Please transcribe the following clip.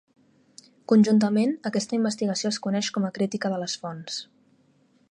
Conjuntament, aquesta investigació es coneix com a crítica de les fonts.